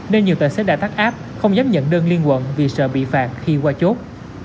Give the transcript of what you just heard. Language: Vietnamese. nên nhiều tài xế đã tắt áp không dám nhận đơn liên quận vì sợ bị phạt khi qua chốt